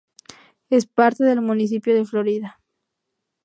Es parte del municipio de Florida.